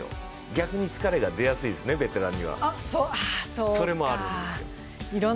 逆に疲れが出やすいですね、ベテランには。それもあるんですよ。